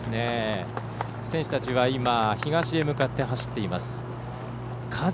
選手たちは今東に向かって走っています。